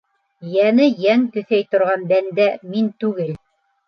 Йәне йән көҫәй торған бәндә мин түгел.